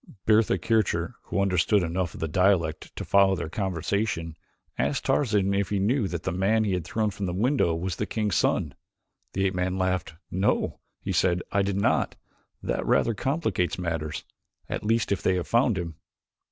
Bertha Kircher, who understood enough of the dialect to follow their conversation, asked Tarzan if he knew that the man he had thrown from the window was the king's son. The ape man laughed. "No," he said, "I did not. That rather complicates matters at least if they have found him."